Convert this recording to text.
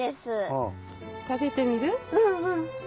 うんうん。